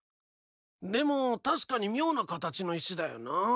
でも確かに妙な形の石だよな。